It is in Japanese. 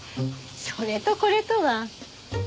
それとこれとは。